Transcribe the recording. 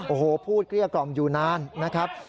โอ้โหพูดเกลี้ยกล่อมอยู่นานนะครับ